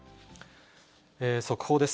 速報です。